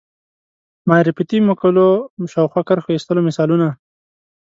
معرفتي مقولو شاوخوا کرښو ایستلو مثالونه